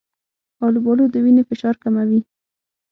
آلوبالو د وینې فشار کموي.